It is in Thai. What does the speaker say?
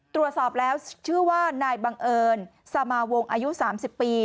ตรวจสอบแล้วชื่อว่านายบังเอิญสมาวงอายุ๓๐ปี